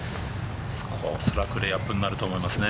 おそらくレイアップになると思いますね。